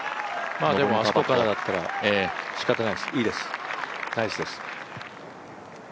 でも、あそこからだったら、しかたないです、いいです、ナイスです。